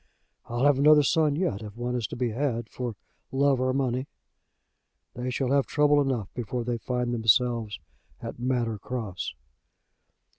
I'll have another son yet, if one is to be had for love or money. They shall have trouble enough before they find themselves at Manor Cross."